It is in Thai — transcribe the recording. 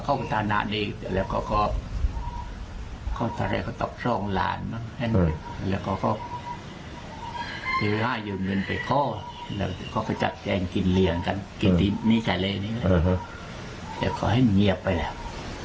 กินดินทาเลเงียุงกันเลยแต่เค้าให้เหนียบไปแล้ว